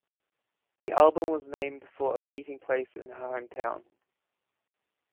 The album was named for a meeting place in her home town.